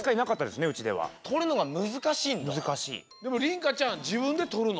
でもりんかちゃんじぶんでとるの？